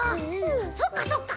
そっかそっか。